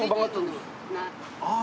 ああ